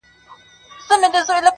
پكښي مي وليدې ستا خړي سترگي